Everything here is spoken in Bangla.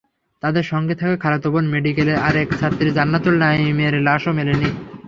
তাঁদের সঙ্গে থাকা খালাতো বোন মেডিকেলের আরেক ছাত্রী জান্নাতুল নাঈমের লাশও মেলেনি।